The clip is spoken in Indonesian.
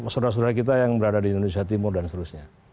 saudara saudara kita yang berada di indonesia timur dan seterusnya